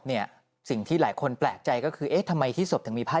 หลังจากพบศพผู้หญิงปริศนาตายตรงนี้ครับ